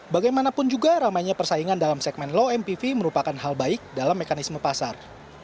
bagaimanapun juga ramainya persaingan dalam segmen low mpv merupakan hal baik dalam mekanisme pasar